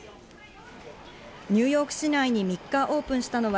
ニューヨーク市内に３日にオープンしたのは